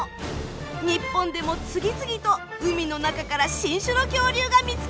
日本でも次々と海の中から新種の恐竜が見つかっています。